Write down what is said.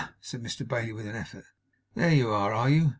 said Mr Bailey, with an effort. 'There you are, are you?